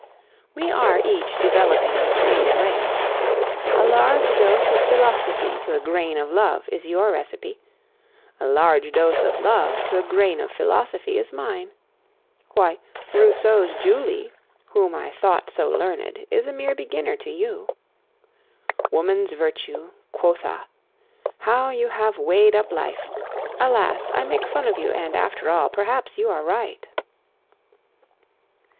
We are each developing in strange ways. A large dose of philosophy to a grain of love is your recipe; a large dose of love to a grain of philosophy is mine. Why, Rousseau's Julie, whom I thought so learned, is a mere beginner to you. Woman's virtue, quotha! How you have weighed up life! Alas! I make fun of you, and, after all, perhaps you are right.